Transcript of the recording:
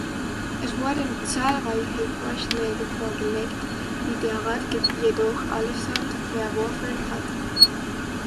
Es wurden zahlreiche Vorschläge vorgelegt, die der Rat jedoch allesamt verworfen hat.